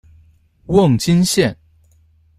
瓮津线